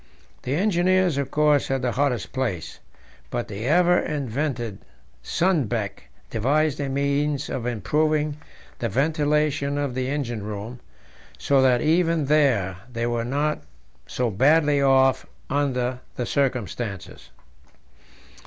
The engineers, of course, had the hottest place, but the ever inventive Sundbeck devised a means of improving the ventilation of the engine room, so that even there they were not so badly off under the circumstances.